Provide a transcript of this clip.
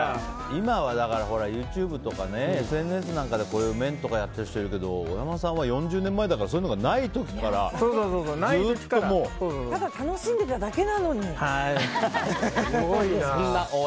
今はＹｏｕＴｕｂｅとかＳＮＳなんかで麺とかやってる人いるけど大山さんは４０年前だからそういうのがない時からただ楽しんでただけなのに。